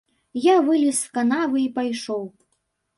Я вылез з канавы і пайшоў.